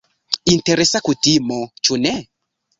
Interesa kutimo, ĉu ne?